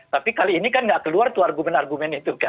tapi kali ini kan nggak keluar tuh argumen argumen itu kan